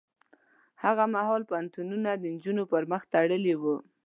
هغه مهال پوهنتونونه د نجونو پر مخ تړلي وو.